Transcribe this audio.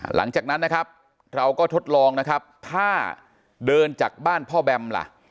หลังจากนั้นเราก็ทดลองถ้าเดินจากบ้านพ่อแบม